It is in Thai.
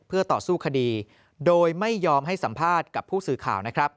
เพื่อต่อสู้คดีโดยไม่ยอมให้สัมภาษณ์กับผู้สื่อข่าวนะครับ